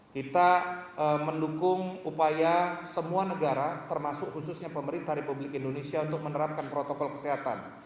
kita mendukung upaya semua negara termasuk khususnya pemerintah republik indonesia untuk menerapkan protokol kesehatan